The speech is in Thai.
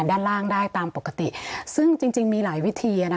ด้านล่างได้ตามปกติซึ่งจริงมีหลายวิธี